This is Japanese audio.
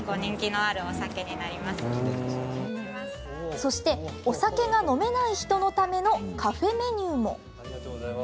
そしてお酒が飲めない人のためのカフェメニューも。